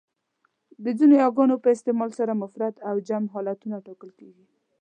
د ځینو یاګانو په استعمال سره مفرد و جمع حالتونه ټاکل کېږي.